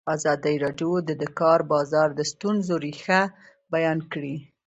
ازادي راډیو د د کار بازار د ستونزو رېښه بیان کړې.